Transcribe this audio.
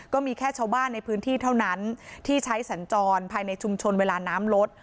ก็มีแค่ชาวบ้านในพื้นที่เท่านั้นที่ใช้สัญจรภายในชุมชนเวลาน้ำลด